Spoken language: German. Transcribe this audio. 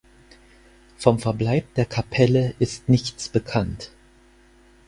Vom Verbleib der Kapelle ist nichts bekannt.